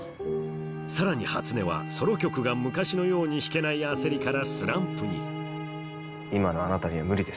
さらに初音はソロ曲が昔のように弾けない焦りからスランプに今のあなたには無理です。